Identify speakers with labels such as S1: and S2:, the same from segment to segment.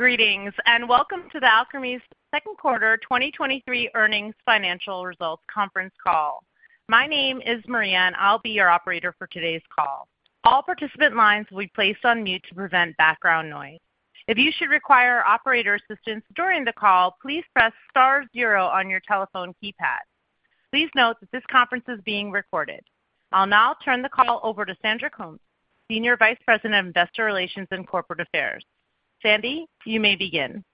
S1: Greetings, welcome to the Alkermes' second quarter 2023 earnings financial results conference call. My name is Maria, and I'll be your operator for today's call. All participant lines will be placed on mute to prevent background noise. If you should require operator assistance during the call, please press star zero on your telephone keypad. Please note that this conference is being recorded. I'll now turn the call over to Sandra Coombs, Senior Vice President of Investor Relations and Corporate Affairs. Sandy, you may begin.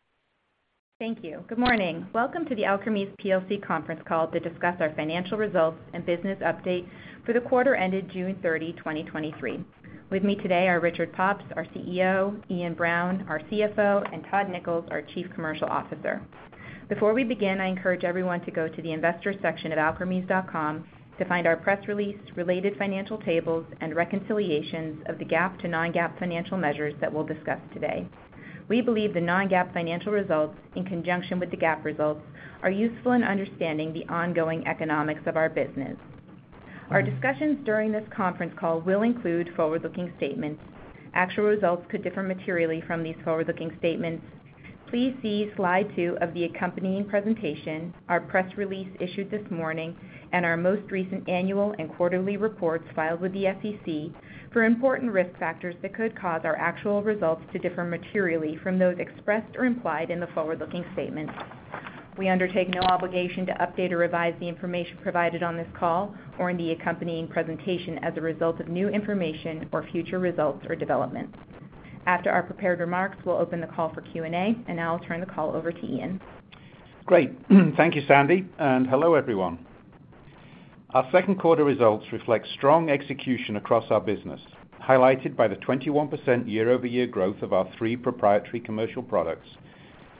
S2: Thank you. Good morning. Welcome to the Alkermes plc conference call to discuss our financial results and business update for the quarter ended June 30, 2023. With me today are Richard Pops, our CEO, Iain Brown, our CFO, and Todd Nichols, our Chief Commercial Officer. Before we begin, I encourage everyone to go to the investor section of alkermes.com to find our press release, related financial tables, and reconciliations of the GAAP to non-GAAP financial measures that we'll discuss today. We believe the non-GAAP financial results, in conjunction with the GAAP results, are useful in understanding the ongoing economics of our business. Our discussions during this conference call will include forward-looking statements. Actual results could differ materially from these forward-looking statements. Please see slide two of the accompanying presentation, our press release issued this morning, and our most recent annual and quarterly reports filed with the SEC for important risk factors that could cause our actual results to differ materially from those expressed or implied in the forward-looking statements. We undertake no obligation to update or revise the information provided on this call or in the accompanying presentation as a result of new information or future results or developments. After our prepared remarks, we'll open the call for Q&A, and now I'll turn the call over to Iain.
S3: Great. Thank you, Sandy, and hello, everyone. Our second quarter results reflect strong execution across our business, highlighted by the 21% year-over-year growth of our three proprietary commercial products,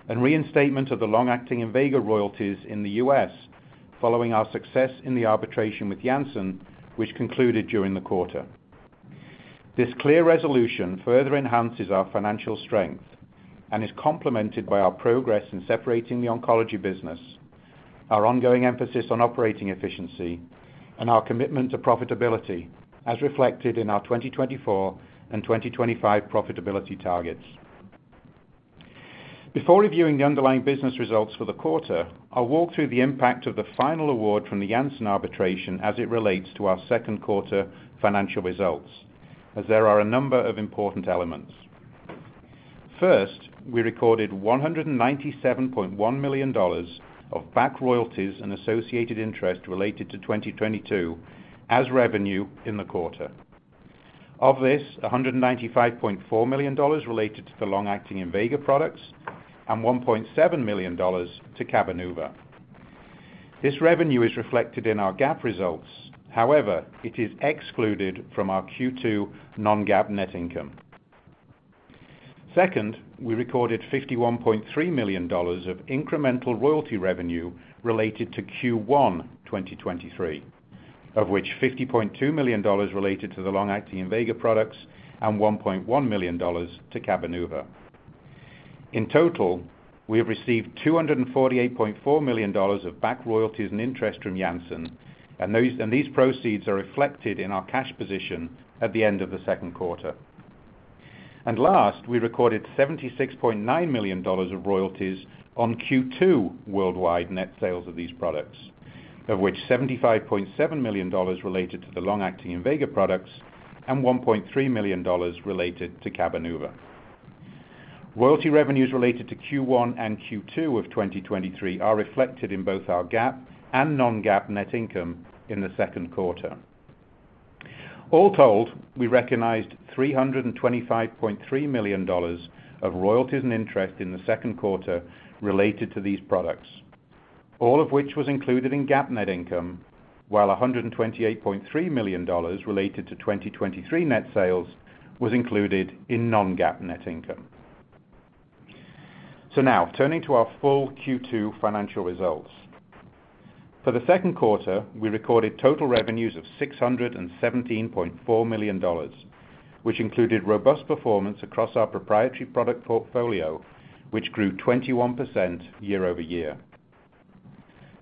S3: and reinstatement of the long-acting INVEGA royalties in the U.S. following our success in the arbitration with Janssen, which concluded during the quarter. This clear resolution further enhances our financial strength and is complemented by our progress in separating the oncology business, our ongoing emphasis on operating efficiency, and our commitment to profitability, as reflected in our 2024 and 2025 profitability targets. Before reviewing the underlying business results for the quarter, I'll walk through the impact of the final award from the Janssen arbitration as it relates to our second quarter financial results, as there are a number of important elements. We recorded $197.1 million of back royalties and associated interest related to 2022 as revenue in the quarter. Of this, $195.4 million related to the long-acting INVEGA products and $1.7 million to CABENUVA. This revenue is reflected in our GAAP results. However, it is excluded from our Q2 non-GAAP net income. We recorded $51.3 million of incremental royalty revenue related to Q1 2023, of which $50.2 million related to the long-acting INVEGA products and $1.1 million to CABENUVA. In total, we have received $248.4 million of back royalties and interest from Janssen, and these proceeds are reflected in our cash position at the end of the second quarter. Last, we recorded $76.9 million of royalties on Q2 worldwide net sales of these products, of which $75.7 million related to the long-acting INVEGA products and $1.3 million related to CABENUVA. Royalty revenues related to Q1 and Q2 of 2023 are reflected in both our GAAP and non-GAAP net income in the second quarter. All told, we recognized $325.3 million of royalties and interest in the second quarter related to these products, all of which was included in GAAP net income, while $128.3 million related to 2023 net sales was included in non-GAAP net income. Now, turning to our full Q2 financial results. For the second quarter, we recorded total revenues of $617.4 million, which included robust performance across our proprietary product portfolio, which grew 21% year-over-year.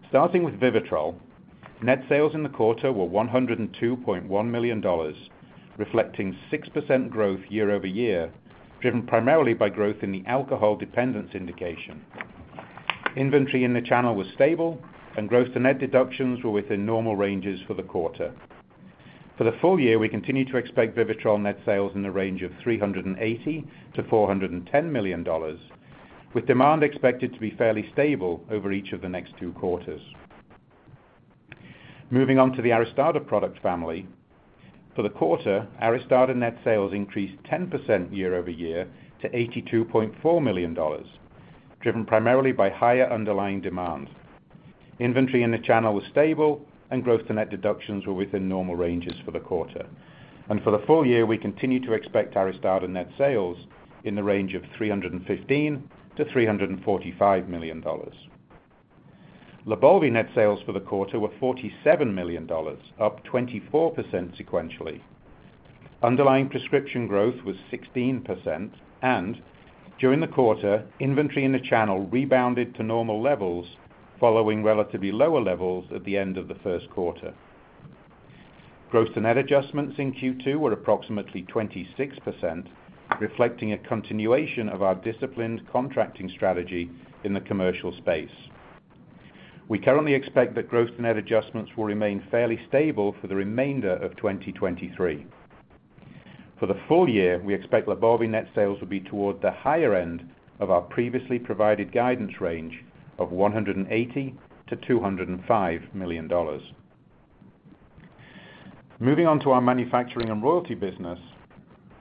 S3: Starting with VIVITROL, net sales in the quarter were $102.1 million, reflecting 6% growth year-over-year, driven primarily by growth in the alcohol dependence indication. Inventory in the channel was stable, and gross to net deductions were within normal ranges for the quarter. For the full year, we continue to expect VIVITROL net sales in the range of $380 million-$410 million, with demand expected to be fairly stable over each of the next two quarters. Moving on to the ARISTADA product family. For the quarter, ARISTADA net sales increased 10% year-over-year to $82.4 million, driven primarily by higher underlying demand. Inventory in the channel was stable, and growth to net deductions were within normal ranges for the quarter. For the full year, we continue to expect ARISTADA net sales in the range of $315 million-$345 million. LYBALVI net sales for the quarter were $47 million, up 24% sequentially. Underlying prescription growth was 16%, and during the quarter, inventory in the channel rebounded to normal levels, following relatively lower levels at the end of the first quarter. Gross and net adjustments in Q2 were approximately 26%, reflecting a continuation of our disciplined contracting strategy in the commercial space. We currently expect that gross and net adjustments will remain fairly stable for the remainder of 2023. For the full year, we expect LYBALVI net sales to be toward the higher end of our previously provided guidance range of $180 million-$205 million. Moving on to our manufacturing and royalty business.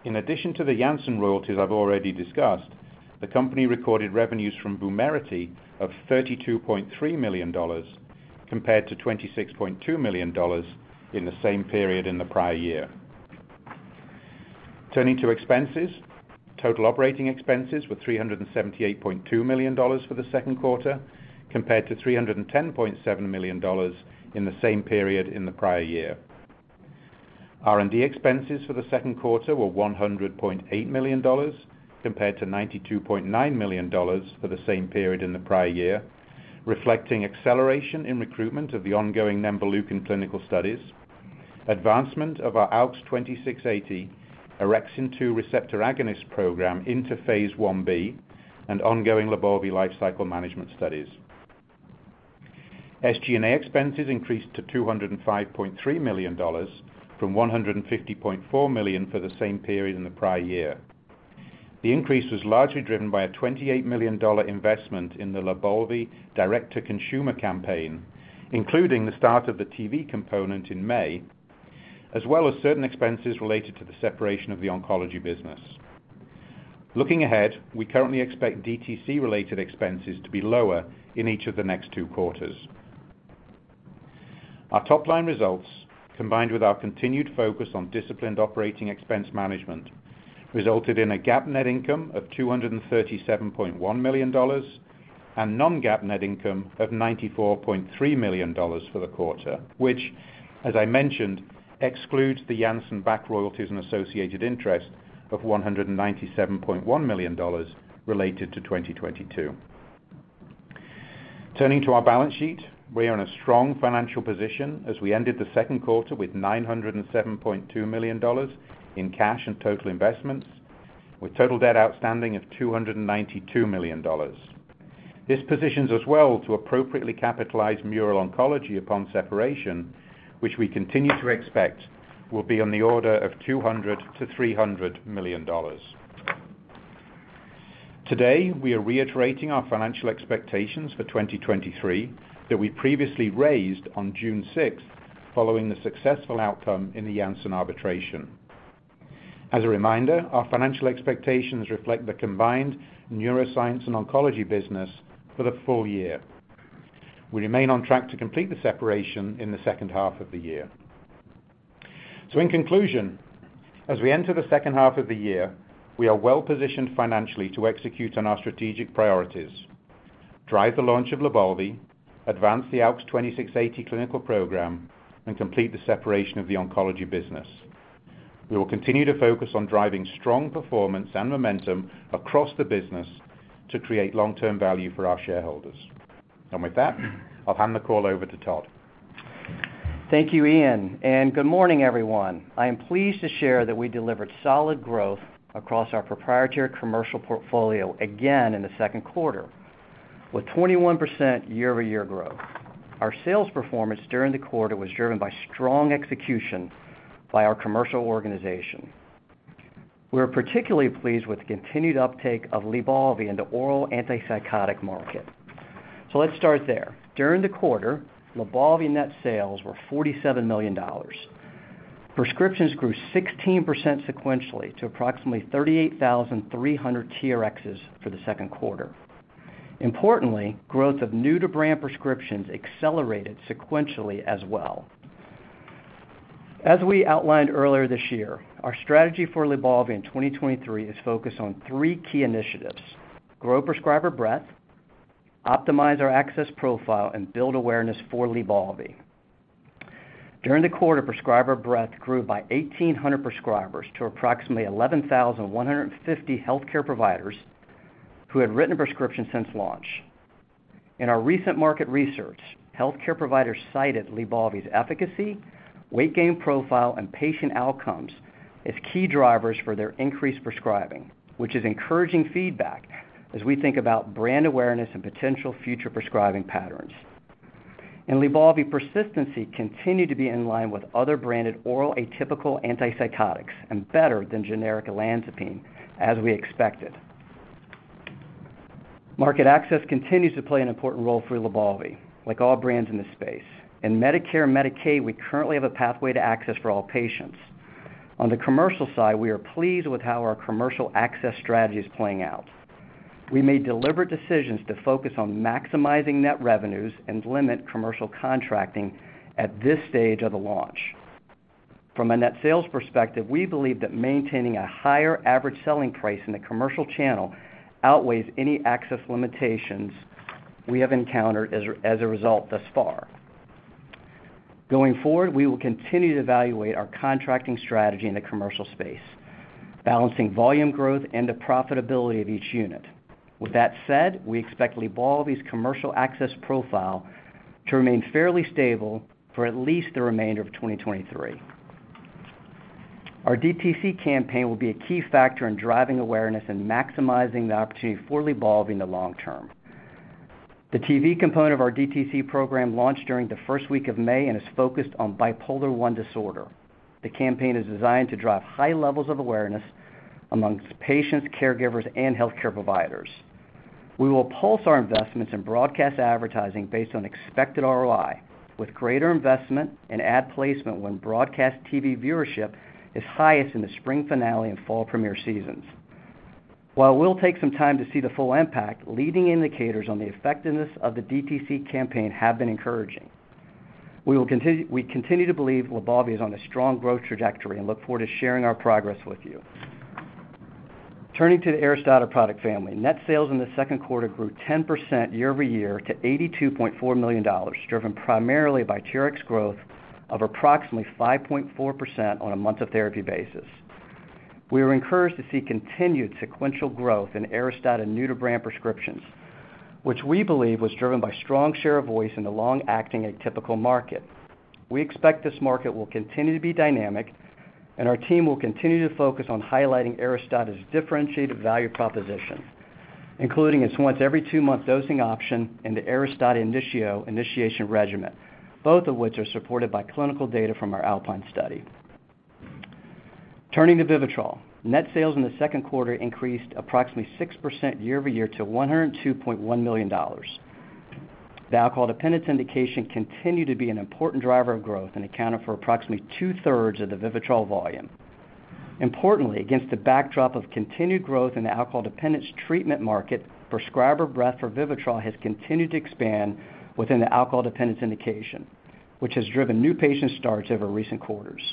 S3: In addition to the Janssen royalties I've already discussed, the company recorded revenues from Vumerity of $32.3 million, compared to $26.2 million in the same period in the prior year. Turning to expenses. Total operating expenses were $378.2 million for the second quarter, compared to $310.7 million in the same period in the prior year. R&D expenses for the second quarter were $100.8 million, compared to $92.9 million for the same period in the prior year, reflecting acceleration in recruitment of the ongoing Nembutal clinical studies, advancement of our ALKS 2680 orexin 2 receptor agonist program into phase I-B, and ongoing LYBALVI lifecycle management studies. SG&A expenses increased to $205.3 million from $150.4 million for the same period in the prior year. The increase was largely driven by a $28 million investment in the LYBALVI direct-to-consumer campaign, including the start of the TV component in May, as well as certain expenses related to the separation of the oncology business. Looking ahead, we currently expect DTC-related expenses to be lower in each of the next two quarters. Our top-line results, combined with our continued focus on disciplined operating expense management, resulted in a GAAP net income of $237.1 million and non-GAAP net income of $94.3 million for the quarter, which, as I mentioned, excludes the Janssen back royalties and associated interest of $197.1 million related to 2022. Turning to our balance sheet, we are in a strong financial position as we ended the second quarter with $907.2 million in cash and total investments, with total debt outstanding of $292 million. This positions us well to appropriately capitalize Mural Oncology upon separation, which we continue to expect will be on the order of $200 million-$300 million. Today, we are reiterating our financial expectations for 2023 that we previously raised on June 6th, following the successful outcome in the Janssen arbitration. As a reminder, our financial expectations reflect the combined neuroscience and oncology business for the full year. We remain on track to complete the separation in the second half of the year. In conclusion, as we enter the second half of the year, we are well positioned financially to execute on our strategic priorities: drive the launch of LYBALVI, advance the ALKS 2680 clinical program, and complete the separation of the oncology business. We will continue to focus on driving strong performance and momentum across the business to create long-term value for our shareholders. With that, I'll hand the call over to Todd.
S4: Thank you, Iain, and good morning, everyone. I am pleased to share that we delivered solid growth across our proprietary commercial portfolio again in the second quarter, with 21% year-over-year growth. Our sales performance during the quarter was driven by strong execution by our commercial organization. We are particularly pleased with the continued uptake of LYBALVI in the oral antipsychotic market. Let's start there. During the quarter, LYBALVI net sales were $47 million. Prescriptions grew 16% sequentially to approximately 38,300 TRXs for the second quarter. Importantly, growth of new-to-brand prescriptions accelerated sequentially as well. As we outlined earlier this year, our strategy for LYBALVI in 2023 is focused on three key initiatives: grow prescriber breadth, optimize our access profile, and build awareness for LYBALVI. During the quarter, prescriber breadth grew by 1,800 prescribers to approximately 11,150 healthcare providers who had written a prescription since launch. In our recent market research, healthcare providers cited LYBALVI's efficacy, weight gain profile, and patient outcomes as key drivers for their increased prescribing, which is encouraging feedback as we think about brand awareness and potential future prescribing patterns. LYBALVI persistency continued to be in line with other branded oral atypical antipsychotics and better than generic olanzapine, as we expected. Market access continues to play an important role for LYBALVI, like all brands in this space. In Medicare and Medicaid, we currently have a pathway to access for all patients. On the commercial side, we are pleased with how our commercial access strategy is playing out. We made deliberate decisions to focus on maximizing net revenues and limit commercial contracting at this stage of the launch. From a net sales perspective, we believe that maintaining a higher average selling price in the commercial channel outweighs any access limitations we have encountered as a result thus far. Going forward, we will continue to evaluate our contracting strategy in the commercial space. balancing volume growth and the profitability of each unit. With that said, we expect LYBALVI's commercial access profile to remain fairly stable for at least the remainder of 2023. Our DTC campaign will be a key factor in driving awareness and maximizing the opportunity for LYBALVI in the long term. The TV component of our DTC program launched during the first week of May and is focused on bipolar I disorder. The campaign is designed to drive high levels of awareness amongst patients, caregivers, and healthcare providers. We will pulse our investments in broadcast advertising based on expected ROI, with greater investment and ad placement when broadcast TV viewership is highest in the spring finale and fall premiere seasons. While it will take some time to see the full impact, leading indicators on the effectiveness of the DTC campaign have been encouraging. We continue to believe LYBALVI is on a strong growth trajectory and look forward to sharing our progress with you. Turning to the ARISTADA product family. Net sales in the second quarter grew 10% year-over-year to $82.4 million, driven primarily by TRx growth of approximately 5.4% on a months of therapy basis. We were encouraged to see continued sequential growth in ARISTADA new-to-brand prescriptions, which we believe was driven by strong share of voice in the long-acting atypical market. We expect this market will continue to be dynamic, and our team will continue to focus on highlighting ARISTADA's differentiated value proposition, including its once every two-month dosing option and the ARISTADA INITIO initiation regimen, both of which are supported by clinical data from our ALPINE study. Turning to VIVITROL. Net sales in the second quarter increased approximately 6% year-over-year to $102.1 million. The alcohol dependence indication continued to be an important driver of growth and accounted for approximately two-thirds of the VIVITROL volume. Importantly, against the backdrop of continued growth in the alcohol dependence treatment market, prescriber breadth for VIVITROL has continued to expand within the alcohol dependence indication, which has driven new patient starts over recent quarters.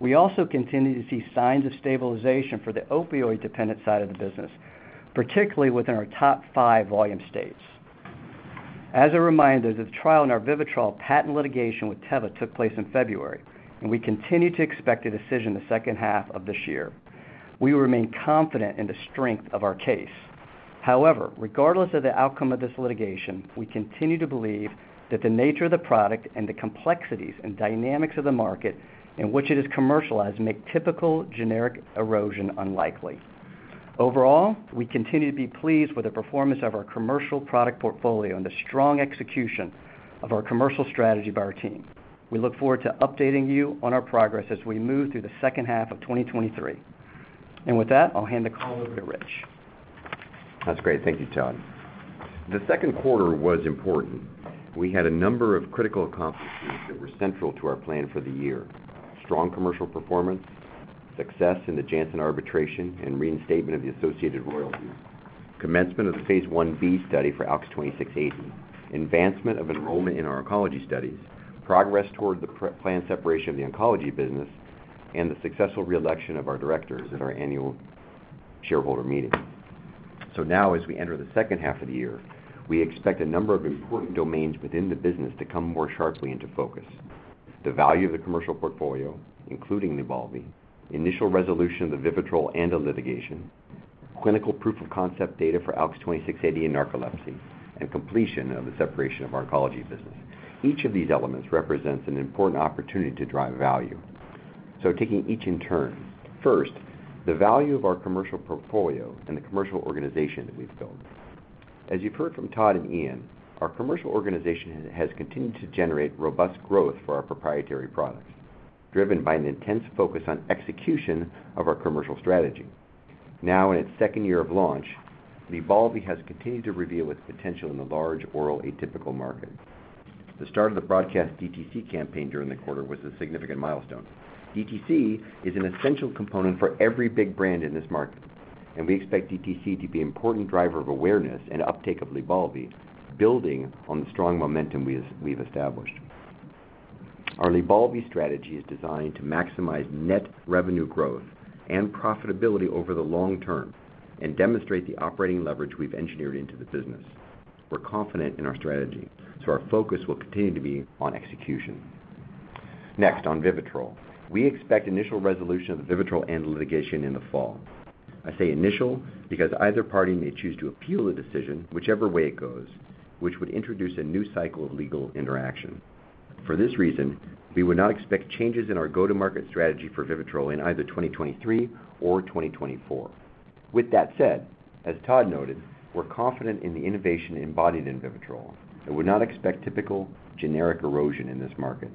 S4: We also continue to see signs of stabilization for the opioid-dependent side of the business, particularly within our top five volume states. As a reminder, the trial in our VIVITROL patent litigation with Teva took place in February, and we continue to expect a decision the second half of this year. We remain confident in the strength of our case. However, regardless of the outcome of this litigation, we continue to believe that the nature of the product and the complexities and dynamics of the market in which it is commercialized make typical generic erosion unlikely. Overall, we continue to be pleased with the performance of our commercial product portfolio and the strong execution of our commercial strategy by our team. We look forward to updating you on our progress as we move through the second half of 2023. With that, I'll hand the call over to Rich.
S5: That's great. Thank you, Todd. The second quarter was important. We had a number of critical accomplishments that were central to our plan for the year: strong commercial performance, success in the Janssen arbitration and reinstatement of the associated royalties, commencement of the phase I-B study for ALKS 2680, advancement of enrollment in our oncology studies, progress toward the planned separation of the oncology business, and the successful re-election of our directors at our annual shareholder meeting. As we enter the second half of the year, we expect a number of important domains within the business to come more sharply into focus. The value of the commercial portfolio, including LYBALVI, initial resolution of the VIVITROL and the litigation, clinical proof of concept data for ALKS 2680 in narcolepsy, and completion of the separation of our oncology business. Each of these elements represents an important opportunity to drive value. Taking each in turn. First, the value of our commercial portfolio and the commercial organization that we've built. As you've heard from Todd and Iain, our commercial organization has continued to generate robust growth for our proprietary products, driven by an intense focus on execution of our commercial strategy. Now, in its second year of launch, LYBALVI has continued to reveal its potential in the large oral atypical market. The start of the broadcast DTC campaign during the quarter was a significant milestone. DTC is an essential component for every big brand in this market, and we expect DTC to be an important driver of awareness and uptake of LYBALVI, building on the strong momentum we've established. Our LYBALVI strategy is designed to maximize net revenue growth and profitability over the long term and demonstrate the operating leverage we've engineered into the business. We're confident in our strategy. Our focus will continue to be on execution. Next, on VIVITROL. We expect initial resolution of the VIVITROL end litigation in the fall. I say initial because either party may choose to appeal the decision whichever way it goes, which would introduce a new cycle of legal interaction. For this reason, we would not expect changes in our go-to-market strategy for VIVITROL in either 2023 or 2024. With that said, as Todd noted, we're confident in the innovation embodied in VIVITROL and would not expect typical generic erosion in this market.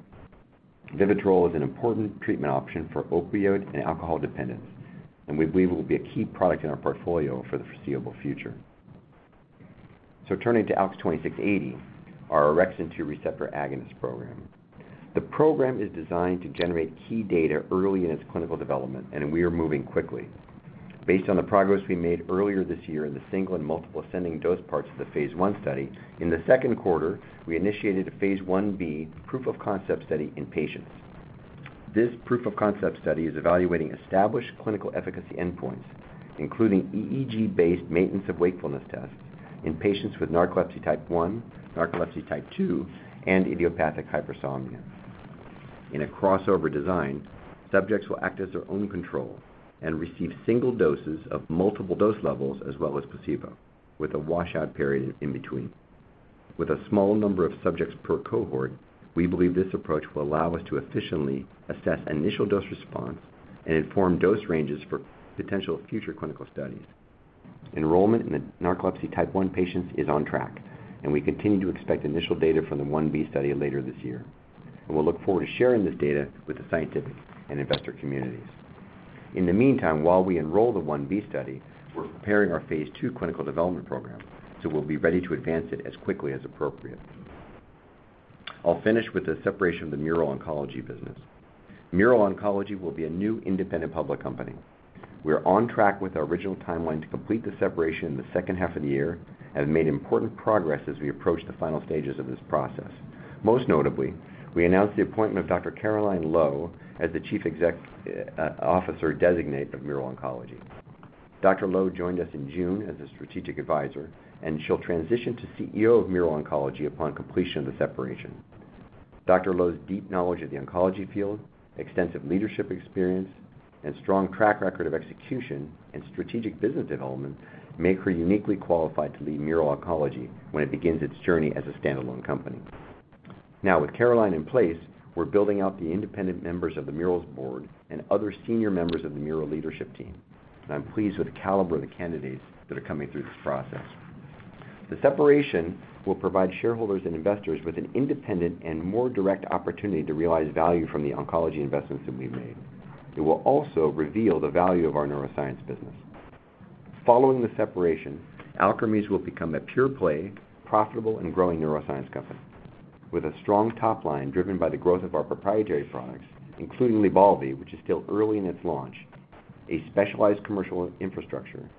S5: VIVITROL is an important treatment option for opioid and alcohol dependence, and we believe it will be a key product in our portfolio for the foreseeable future. Turning to ALKS 2680, our orexin 2 receptor agonist program. The program is designed to generate key data early in its clinical development, and we are moving quickly. Based on the progress we made earlier this year in the single and multiple ascending dose parts of the phase I study, in the second quarter, we initiated a phase I-B proof of concept study in patients. This proof of concept study is evaluating established clinical efficacy endpoints, including EEG-based Maintenance of Wakefulness Tests in patients with narcolepsy type 1, narcolepsy type 2, and idiopathic hypersomnia. In a crossover design, subjects will act as their own control and receive single doses of multiple dose levels as well as placebo, with a washout period in between. With a small number of subjects per cohort, we believe this approach will allow us to efficiently assess initial dose response and inform dose ranges for potential future clinical studies. Enrollment in the narcolepsy type one patients is on track, and we continue to expect initial data from the phase I-B study later this year. We'll look forward to sharing this data with the scientific and investor communities. In the meantime, while we enroll the phase I-B study, we're preparing our phase II clinical development program, so we'll be ready to advance it as quickly as appropriate. I'll finish with the separation of the Mural Oncology business. Mural Oncology will be a new independent public company. We are on track with our original timeline to complete the separation in the second half of the year and have made important progress as we approach the final stages of this process. Most notably, we announced the appointment of Dr. Caroline Loew as the Chief Officer Designate of Mural Oncology. Dr. Loew joined us in June as a strategic advisor. She'll transition to CEO of Mural Oncology upon completion of the separation. Dr. Loew's deep knowledge of the oncology field, extensive leadership experience, and strong track record of execution and strategic business development make her uniquely qualified to lead Mural Oncology when it begins its journey as a standalone company. With Caroline in place, we're building out the independent members of the Mural's board and other senior members of the Mural leadership team. I'm pleased with the caliber of the candidates that are coming through this process. The separation will provide shareholders and investors with an independent and more direct opportunity to realize value from the oncology investments that we've made. It will also reveal the value of our neuroscience business. Following the separation, Alkermes will become a pure-play, profitable, and growing neuroscience company. With a strong top line driven by the growth of our proprietary products, including LYBALVI, which is still early in its launch, a specialized commercial infrastructure,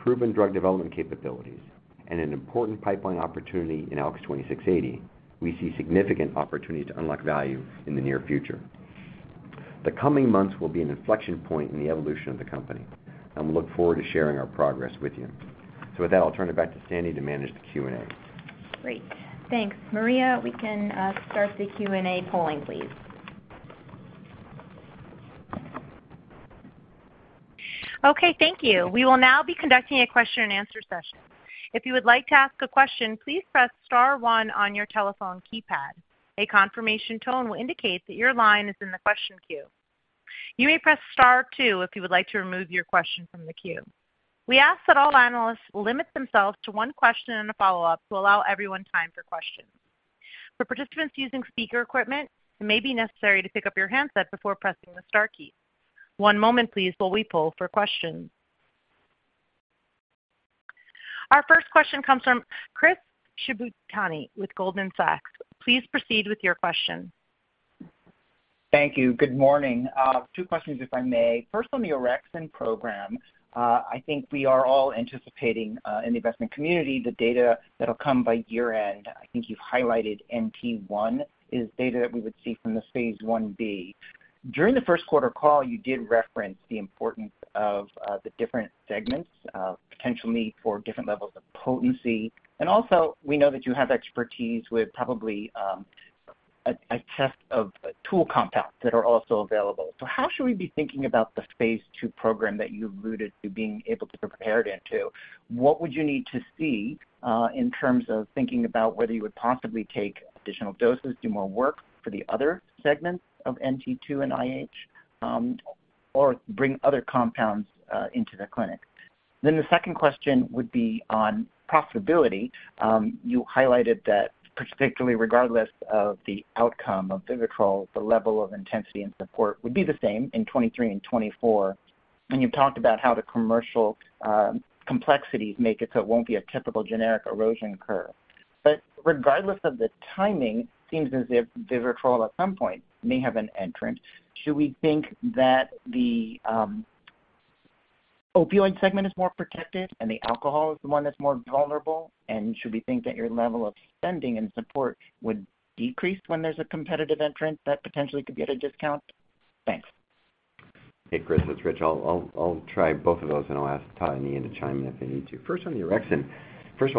S5: proven drug development capabilities, and an important pipeline opportunity in ALKS 2680, we see significant opportunities to unlock value in the near future. The coming months will be an inflection point in the evolution of the company, and we look forward to sharing our progress with you. With that, I'll turn it back to Sandy to manage the Q&A.
S2: Great. Thanks. Maria, we can start the Q&A polling, please.
S1: Okay, thank you. We will now be conducting a question and answer session. If you would like to ask a question, please press star one on your telephone keypad. A confirmation tone will indicate that your line is in the question queue. You may press star two if you would like to remove your question from the queue. We ask that all analysts limit themselves to one question and a follow-up to allow everyone time for questions. For participants using speaker equipment, it may be necessary to pick up your handset before pressing the star key. One moment please while we poll for questions. Our first question comes from Chris Shibutani with Goldman Sachs. Please proceed with your question.
S6: Thank you. Good morning. Two questions, if I may. First, on the orexin program. I think we are all anticipating in the investment community, the data that'll come by year-end. I think you've highlighted NT1 is data that we would see from the phase I-B During the first quarter call, you did reference the importance of the different segments, potential need for different levels of potency. Also, we know that you have expertise with probably a test of tool compounds that are also available. How should we be thinking about the phase II program that you've alluded to being able to prepare it into? What would you need to see in terms of thinking about whether you would possibly take additional doses, do more work for the other segments of NT2 and IH, or bring other compounds into the clinic? The second question would be on profitability. You highlighted that particularly regardless of the outcome of VIVITROL, the level of intensity and support would be the same in 2023 and 2024. You've talked about how the commercial complexities make it so it won't be a typical generic erosion curve. Regardless of the timing, it seems as if VIVITROL, at some point, may have an entrant. Should we think that the opioid segment is more protected and the alcohol is the one that's more vulnerable? Should we think that your level of spending and support would decrease when there's a competitive entrant that potentially could get a discount? Thanks.
S5: Hey, Chris, it's Rich. I'll try both of those, and I'll ask Todd and Iain to chime in if they need to. On the orexin.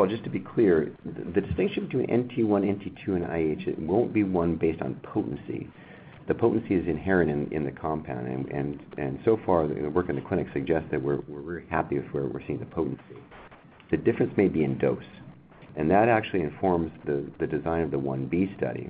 S5: Just to be clear, the distinction between NT1, NT2, and IH won't be one based on potency. The potency is inherent in the compound, and so far, the work in the clinic suggests that we're very happy with where we're seeing the potency. The difference may be in dose, and that actually informs the design of the Phase I-B study,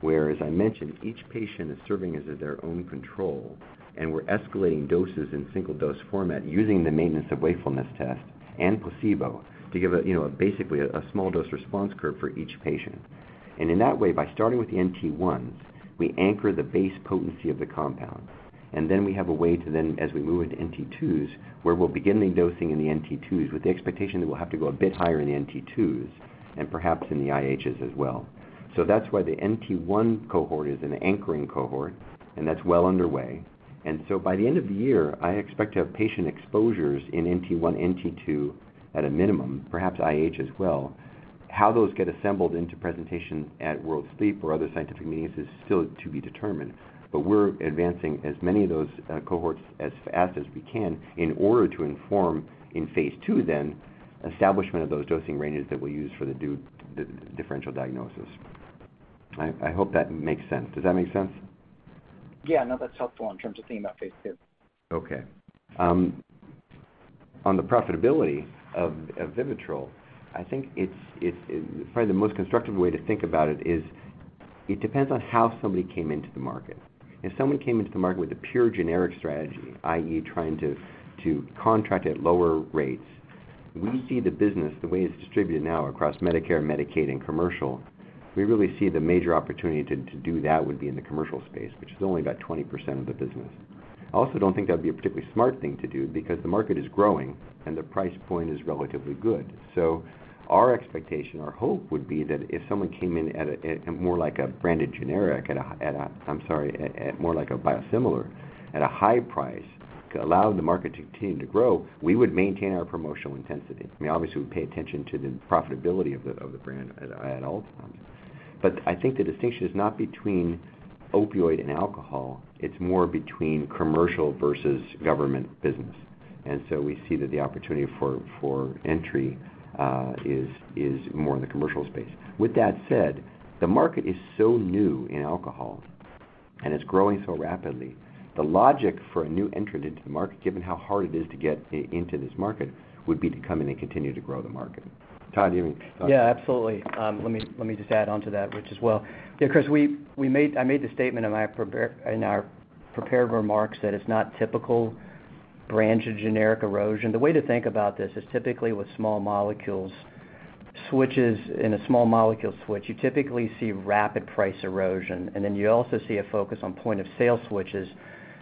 S5: where, as I mentioned, each patient is serving as their own control, and we're escalating doses in single-dose format using the Maintenance of Wakefulness Test and placebo to give a, you know, basically a small dose response curve for each patient. In that way, by starting with the NT1s, we anchor the base potency of the compound, and then we have a way to then, as we move into NT2s, where we'll begin the dosing in the NT2s with the expectation that we'll have to go a bit higher in the NT2s and perhaps in the IHs as well. That's why the NT1 cohort is an anchoring cohort, and that's well underway. By the end of the year, I expect to have patient exposures in NT1, NT2 at a minimum, perhaps IH as well. How those get assembled into presentations at World Sleep or other scientific meetings is still to be determined. We're advancing as many of those cohorts as fast as we can in order to inform in phase II, then establishment of those dosing ranges that we'll use for the differential diagnosis. I hope that makes sense. Does that make sense?
S6: Yeah, no, that's helpful in terms of thinking about phase II.
S5: Okay. On the profitability of VIVITROL, I think it's probably the most constructive way to think about it is, it depends on how somebody came into the market. If someone came into the market with a pure generic strategy, i.e., trying to contract at lower rates, we see the business, the way it's distributed now across Medicare, Medicaid, and commercial, we really see the major opportunity to do that would be in the commercial space, which is only about 20% of the business. I also don't think that'd be a particularly smart thing to do because the market is growing and the price point is relatively good. Our expectation, our hope would be that if someone came in at more like a branded generic, at more like a biosimilar, at a high price, allowing the market to continue to grow, we would maintain our promotional intensity. I mean, obviously, we pay attention to the profitability of the brand at all times. I think the distinction is not between opioid and alcohol, it's more between commercial versus government business. We see that the opportunity for entry is more in the commercial space. With that said, the market is so new in alcohol, and it's growing so rapidly, the logic for a new entrant into the market, given how hard it is to get into this market, would be to come in and continue to grow the market. Todd, do you want to...
S4: Yeah, absolutely. Let me just add on to that, which as well. Yeah, Chris, we I made the statement in our prepared remarks that it's not typical brand or generic erosion. The way to think about this is typically with small molecules, switches in a small molecule switch, you typically see rapid price erosion, and then you also see a focus on point of sale switches,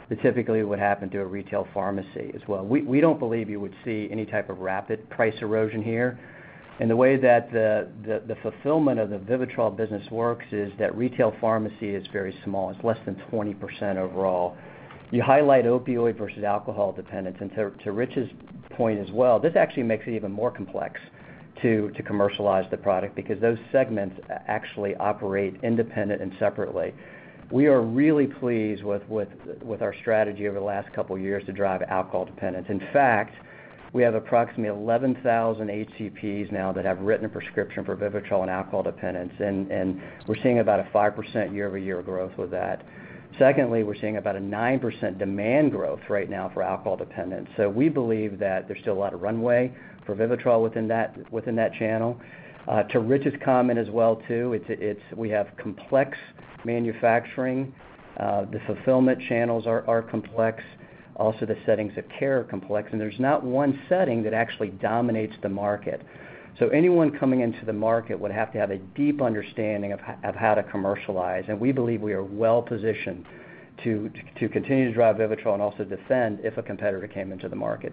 S4: that typically would happen to a retail pharmacy as well. We don't believe you would see any type of rapid price erosion here. The way that the fulfillment of the VIVITROL business works is that retail pharmacy is very small. It's less than 20% overall. You highlight opioid versus alcohol dependence, to Rich's point as well, this actually makes it even more complex to commercialize the product because those segments actually operate independent and separately. We are really pleased with our strategy over the last couple of years to drive alcohol dependence. In fact, we have approximately 11,000 HCPs now that have written a prescription for Vivitrol and alcohol dependence, and we're seeing about a 5% year-over-year growth with that. Secondly, we're seeing about a 9% demand growth right now for alcohol dependence. We believe that there's still a lot of runway for Vivitrol within that channel. To Rich's comment as well, too, it's we have complex manufacturing, the fulfillment channels are complex, also, the settings of care are complex, and there's not one setting that actually dominates the market. Anyone coming into the market would have to have a deep understanding of how to commercialize. We believe we are well positioned to continue to drive Vivitrol and also defend if a competitor came into the market.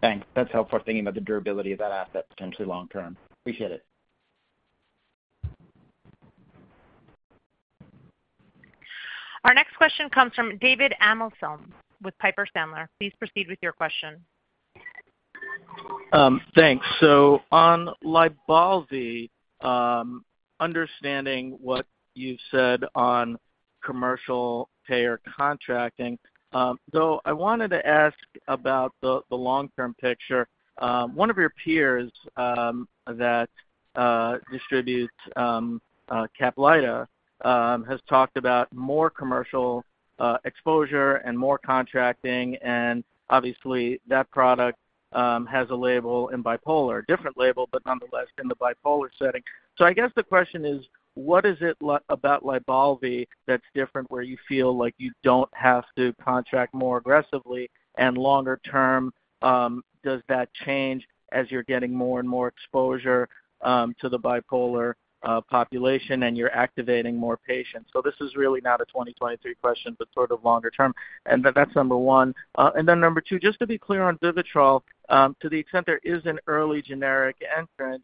S6: Thanks. That's helpful for thinking about the durability of that asset potentially long term. Appreciate it.
S1: Our next question comes from David Amsellem with Piper Sandler. Please proceed with your question.
S7: Thanks. On LYBALVI, understanding what you said on commercial payer contracting, I wanted to ask about the long-term picture. One of your peers that distributes CAPLYTA has talked about more commercial exposure and more contracting, and obviously, that product has a label in bipolar, a different label, but nonetheless, in the bipolar setting. I guess the question is, what is it about LYBALVI that's different, where you feel like you don't have to contract more aggressively? Longer term, does that change as you're getting more and more exposure to the bipolar population and you're activating more patients? This is really not a 2023 question, but sort of longer term. That's number one. Number two, just to be clear on Vivitrol, to the extent there is an early generic entrant,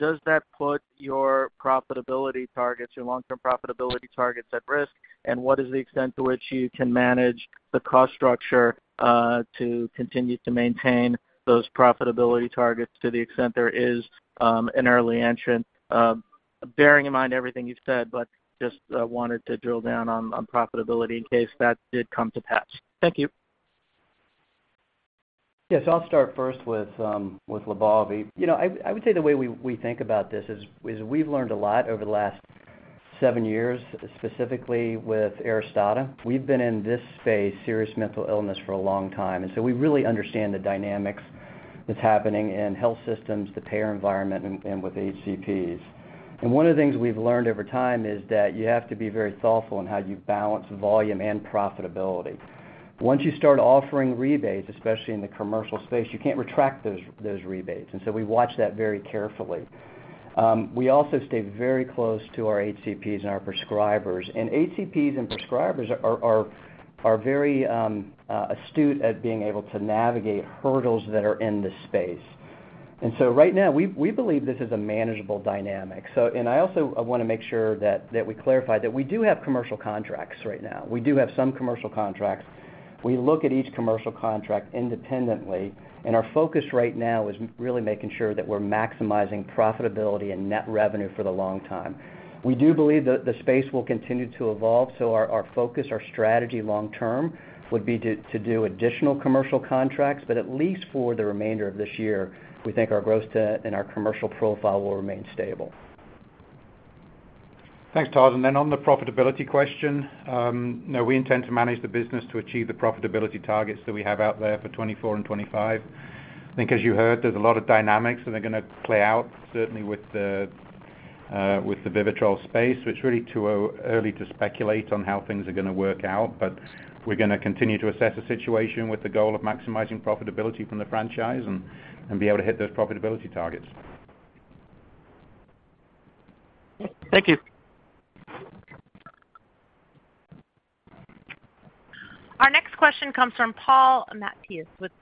S7: does that put your profitability targets, your long-term profitability targets at risk? What is the extent to which you can manage the cost structure to continue to maintain those profitability targets to the extent there is an early entrant? Bearing in mind everything you've said, just wanted to drill down on profitability in case that did come to pass. Thank you.
S4: Yes, I'll start first with LYBALVI. You know, I would say the way we think about this is we've learned a lot over the last seven years, specifically with ARISTADA. We've been in this space, serious mental illness, for a long time, and so we really understand the dynamics that's happening in health systems, the payer environment, and with HCPs. One of the things we've learned over time is that you have to be very thoughtful in how you balance volume and profitability. Once you start offering rebates, especially in the commercial space, you can't retract those rebates, and so we watch that very carefully. We also stay very close to our HCPs and our prescribers, and HCPs and prescribers are very astute at being able to navigate hurdles that are in this space. Right now, we believe this is a manageable dynamic. I also, I wanna make sure that we clarify that we do have commercial contracts right now. We do have some commercial contracts. We look at each commercial contract independently, and our focus right now is really making sure that we're maximizing profitability and net revenue for the long time. We do believe that the space will continue to evolve, so our focus, our strategy long term, would be to do additional commercial contracts. At least for the remainder of this year, we think our growth to and our commercial profile will remain stable.
S3: Thanks, Todd. On the profitability question, you know, we intend to manage the business to achieve the profitability targets that we have out there for 2024 and 2025. I think as you heard, there's a lot of dynamics that are going to play out, certainly with the, with the VIVITROL space, it's really too early to speculate on how things are going to work out. We're going to continue to assess the situation with the goal of maximizing profitability from the franchise and be able to hit those profitability targets.
S7: Thank you.
S1: Our next question comes from Paul Matteis with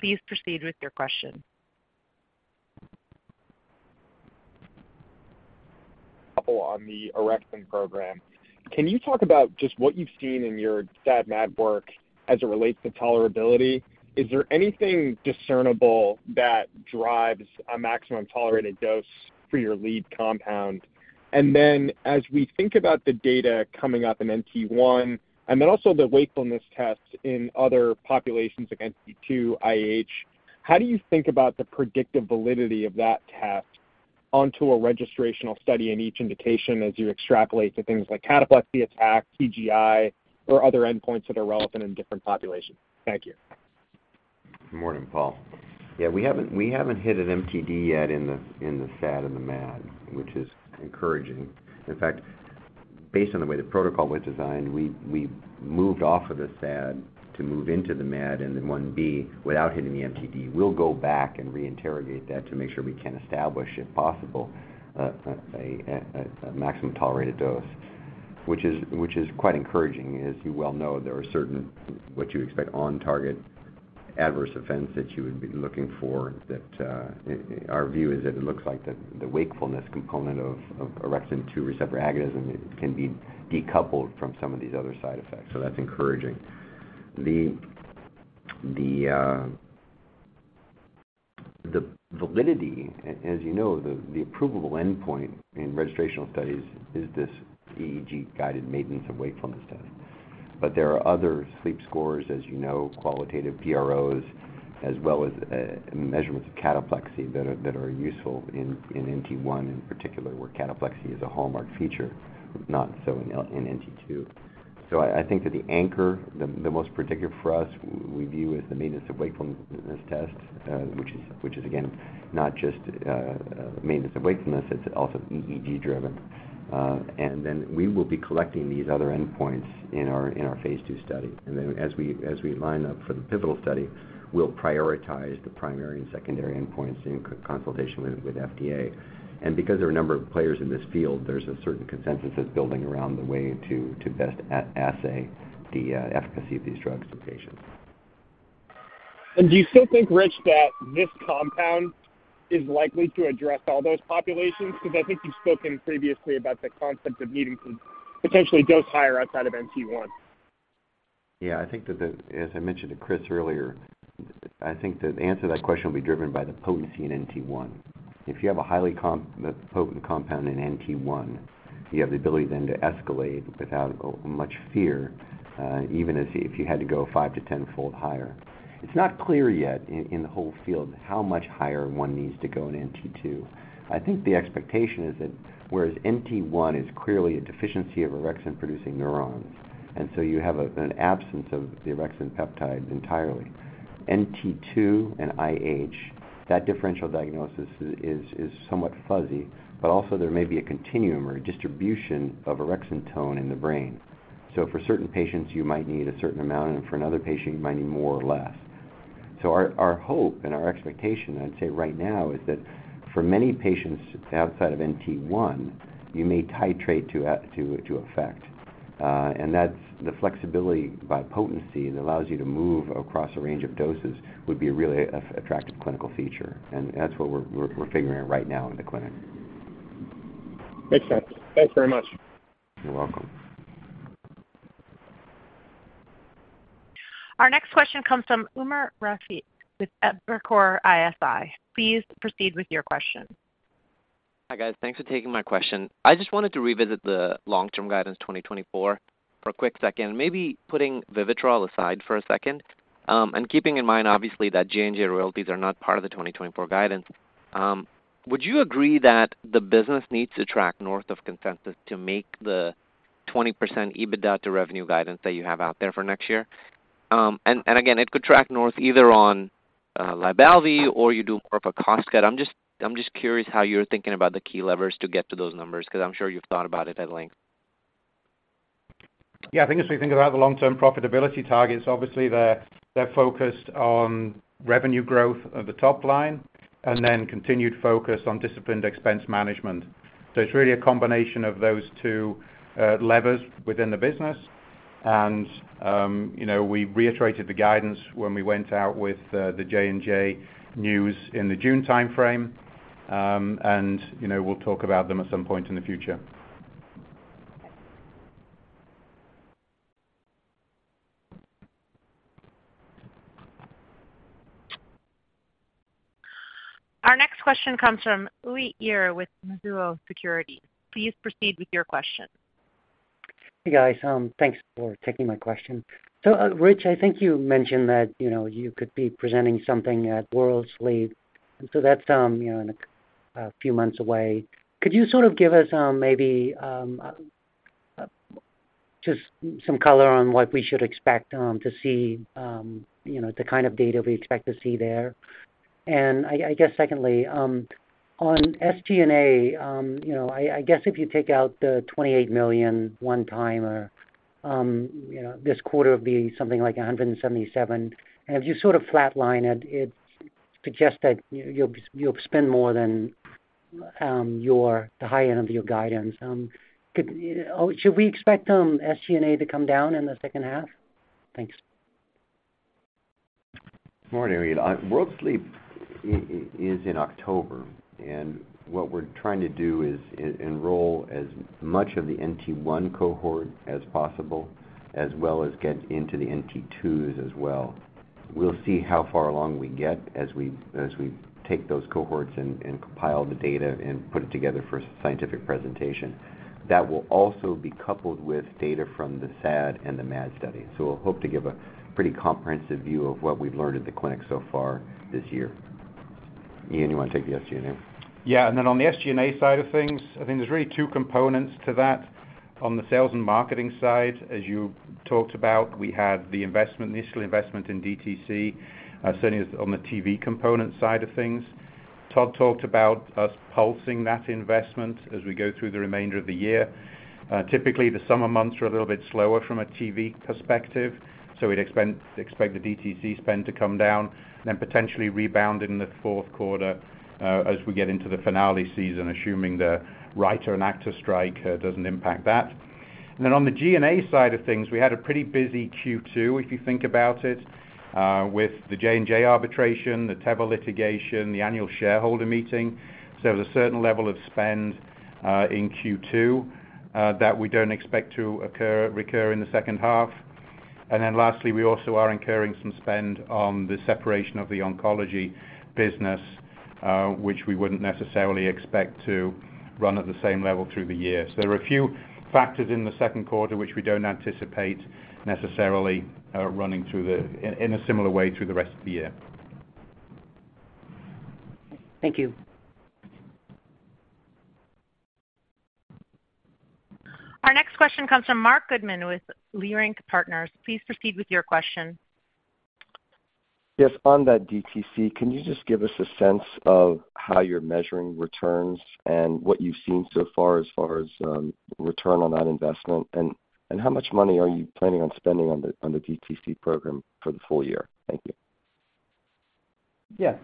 S1: Please proceed with your question.
S8: On the Orexin program, can you talk about just what you've seen in your SAD MAD work as it relates to tolerability? Is there anything discernible that drives a maximum tolerated dose for your lead compound? As we think about the data coming up in NT1, and then also the wakefulness tests in other populations against NT2 IH, how do you think about the predictive validity of that test onto a registrational study in each indication as you extrapolate to things like cataplexy attack, CGI, or other endpoints that are relevant in different populations? Thank you.
S5: Good morning, Paul. Yeah, we haven't hit an MTD yet in the SAD and the MAD, which is encouraging. In fact, based on the way the protocol was designed, we moved off of the SAD to move into the MAD, and then phase I-B, without hitting the MTD. We'll go back and reinterrogate that to make sure we can establish, if possible, a maximum tolerated dose, which is quite encouraging. As you well know, there are certain, what you expect on target adverse events that you would be looking for, that our view is that it looks like the wakefulness component of orexin 2 receptor agonism can be decoupled from some of these other side effects. That's encouraging. The validity, as you know, the approvable endpoint in registrational studies is this EEG-guided Maintenance of Wakefulness study. There are other sleep scores, as you know, qualitative PROs, as well as measurements of cataplexy that are useful in NT1, in particular, where cataplexy is a hallmark feature, not so in NT2. I think that the anchor, the most particular for us, we view as the Maintenance of Wakefulness Test, which is again, not just maintenance of wakefulness, it's also EEG driven. Then we will be collecting these other endpoints in our phase II study. Then as we line up for the pivotal study, we'll prioritize the primary and secondary endpoints in consultation with FDA. Because there are a number of players in this field, there's a certain consensus that's building around the way to best assay the efficacy of these drugs in patients.
S8: Do you still think, Rich, that this compound is likely to address all those populations? Because I think you've spoken previously about the concept of needing to potentially dose higher outside of NT1.
S5: As I mentioned to Chris earlier, I think the answer to that question will be driven by the potency in NT1. If you have a highly potent compound in NT1, you have the ability then to escalate without much fear, even as if you had to go 5-10 fold higher. It's not clear yet in the whole field how much higher one needs to go in NT2. I think the expectation is that whereas NT1 is clearly a deficiency of orexin-producing neurons, and so you have an absence of the orexin peptide entirely. NT2 and IH, that differential diagnosis is somewhat fuzzy, but also there may be a continuum or a distribution of orexin tone in the brain. For certain patients, you might need a certain amount, and for another patient, you might need more or less. Our hope and our expectation, I'd say right now, is that for many patients outside of NT1, you may titrate to effect, and that's the flexibility by potency that allows you to move across a range of doses, would be a really attractive clinical feature, and that's what we're figuring out right now in the clinic.
S9: Makes sense. Thanks very much.
S5: You're welcome.
S1: Our next question comes from Umer Raffat with Evercore ISI. Please proceed with your question.
S9: Hi, guys. Thanks for taking my question. I just wanted to revisit the long-term guidance 2024 for a quick second. Maybe putting VIVITROL aside for a second, and keeping in mind, obviously, that J&J royalties are not part of the 2024 guidance. Would you agree that the business needs to track north of consensus to make the 20% EBITDA to revenue guidance that you have out there for next year? Again, it could track north either on LYBALVI or you do more of a cost cut. I'm just curious how you're thinking about the key levers to get to those numbers, because I'm sure you've thought about it at length.
S3: I think as we think about the long-term profitability targets, obviously, they're focused on revenue growth at the top line and then continued focus on disciplined expense management. It's really a combination of those two levers within the business. You know, we reiterated the guidance when we went out with the J&J news in the June timeframe and you know, we'll talk about them at some point in the future.
S1: Our next question comes from Uy Ear with Mizuho Securities. Please proceed with your question.
S10: Hey, guys, thanks for taking my question. Rich, I think you mentioned that, you know, you could be presenting something at World Sleep, and so that's, you know, in a few months away. Could you sort of give us maybe just some color on what we should expect to see, you know, the kind of data we expect to see there? I guess secondly, on SG&A, you know, I guess if you take out the $28 million one timer, you know, this quarter would be something like $177. If you sort of flatline it suggests that you'll spend more than your, the high end of your guidance. Should we expect SG&A to come down in the second half? Thanks.
S5: Good morning, Uy. World Sleep is in October. What we're trying to do is enroll as much of the NT1 cohort as possible, as well as get into the NT2s as well. We'll see how far along we get as we take those cohorts and compile the data and put it together for a scientific presentation. That will also be coupled with data from the SAD and the MAD study. We'll hope to give a pretty comprehensive view of what we've learned at the clinic so far this year. Iain, you want to take the SG&A?
S3: Yeah, and then on the SG&A side of things, I think there's really two components to that. On the sales and marketing side, as you talked about, we had the investment, the initial investment in DTC, certainly on the TV component side of things. Todd talked about us pulsing that investment as we go through the remainder of the year. Typically, the summer months are a little bit slower from a TV perspective, so we'd expect the DTC spend to come down, and then potentially rebound in the fourth quarter, as we get into the finale season, assuming the writer and actor strike doesn't impact that. And then on the G&A side of things, we had a pretty busy Q2, if you think about it, with the J&J arbitration, the Teva litigation, the annual shareholder meeting. There was a certain level of spend, in Q2, that we don't expect to occur, recur in the second half. Lastly, we also are incurring some spend on the separation of the oncology business, which we wouldn't necessarily expect to run at the same level through the year. There are a few factors in the second quarter, which we don't anticipate necessarily, running in a similar way through the rest of the year.
S10: Thank you.
S1: Our next question comes from Marc Goodman with Leerink Partners. Please proceed with your question.
S11: Yes, on that DTC, can you just give us a sense of how you're measuring returns and what you've seen so far as far as, return on that investment? How much money are you planning on spending on the DTC program for the full year? Thank you.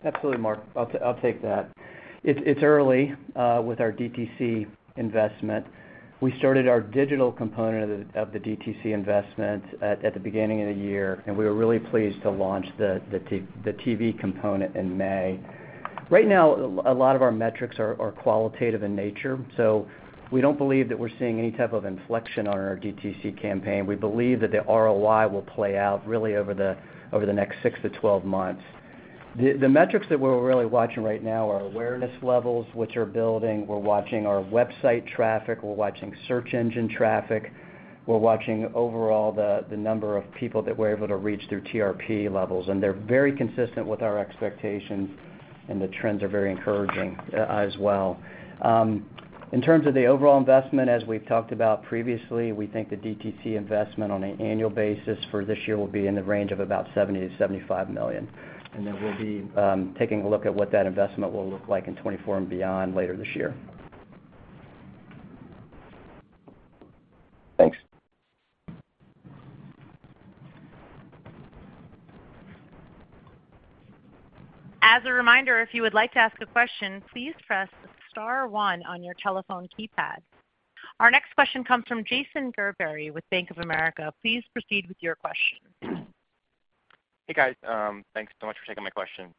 S4: Absolutely, Marc. I'll take that. It's early with our DTC investment. We started our digital component of the DTC investment at the beginning of the year, we were really pleased to launch the TV component in May. Right now, a lot of our metrics are qualitative in nature, so we don't believe that we're seeing any type of inflection on our DTC campaign. We believe that the ROI will play out really over the next 6 to 12 months. The metrics that we're really watching right now are awareness levels, which are building. We're watching our website traffic, we're watching search engine traffic, we're watching overall the number of people that we're able to reach through TRP levels. They're very consistent with our expectations. The trends are very encouraging as well. In terms of the overall investment, as we've talked about previously, we think the DTC investment on an annual basis for this year will be in the range of about $70 million-$75 million. We'll be taking a look at what that investment will look like in 2024 and beyond later this year.
S11: Thanks.
S1: As a reminder, if you would like to ask a question, please press star one on your telephone keypad. Our next question comes from Jason Gerberry with Bank of America. Please proceed with your question.
S12: Hey, guys. Thanks so much for taking my question.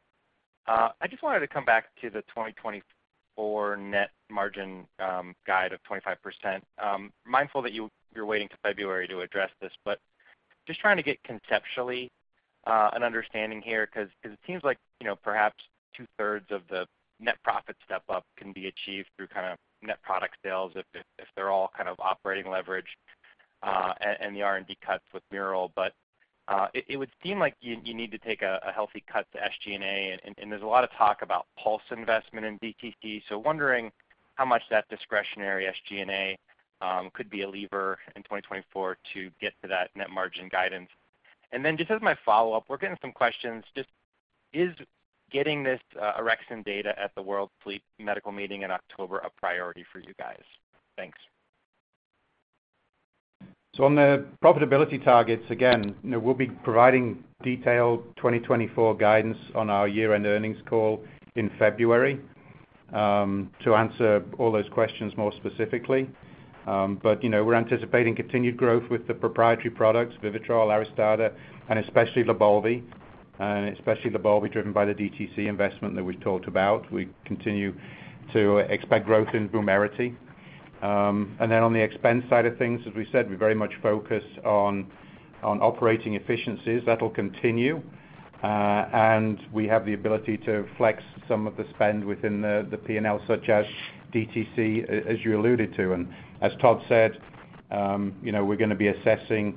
S12: I just wanted to come back to the 2024 net margin guide of 25%. Mindful that you're waiting till February to address this, but just trying to get conceptually an understanding here, 'cause it seems like, you know, perhaps 2/3 of the net profit step up can be achieved through kind of net product sales if they're all kind of operating leverage and the R&D cuts with Mural. It would seem like you need to take a healthy cut to SG&A, and there's a lot of talk about pulse investment in DTC. Wondering how much that discretionary SG&A could be a lever in 2024 to get to that net margin guidance. Just as my follow-up, we're getting some questions, just is getting this, orexin data at the World Sleep Congress in October a priority for you guys? Thanks.
S3: On the profitability targets, again, you know, we'll be providing detailed 2024 guidance on our year-end earnings call in February to answer all those questions more specifically. You know, we're anticipating continued growth with the proprietary products, VIVITROL, ARISTADA, and especially LYBALVI driven by the DTC investment that we've talked about. We continue to expect growth in Vumerity. On the expense side of things, as we said, we very much focus on operating efficiencies. That'll continue, and we have the ability to flex some of the spend within the P&L, such as DTC, as you alluded to. Todd said, you know, we're gonna be assessing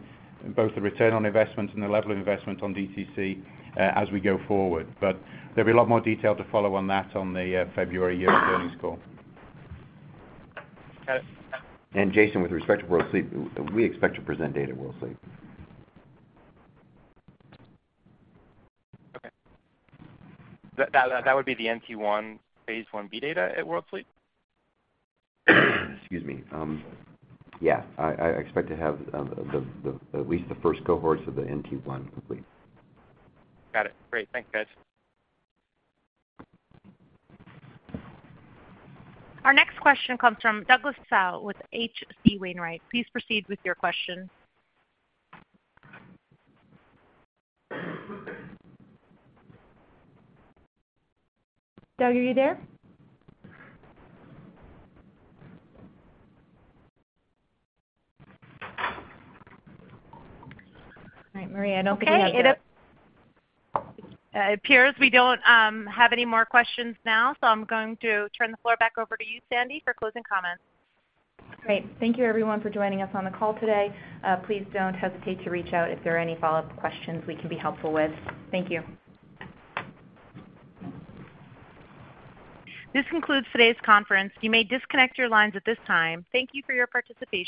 S3: both the ROI and the level of investment on DTC as we go forward. There'll be a lot more detail to follow on that on the February year earnings call.
S12: Got it.
S5: Jason, with respect to World Sleep, we expect to present data at World Sleep.
S12: Okay. That would be the NT1, phase I-B data at World Sleep?
S5: Excuse me. Yeah, I expect to have, the, at least the first cohorts of the NT1 complete.
S12: Got it. Great. Thanks, guys.
S1: Our next question comes from Douglas Tsao with H.C. Wainwright. Please proceed with your question. Doug, are you there?
S2: All right, Maria, I don't think we have...
S1: It appears we don't have any more questions now, so I'm going to turn the floor back over to you, Sandy, for closing comments.
S2: Great. Thank you everyone for joining us on the call today. Please don't hesitate to reach out if there are any follow-up questions we can be helpful with. Thank you.
S1: This concludes today's conference. You may disconnect your lines at this time. Thank you for your participation.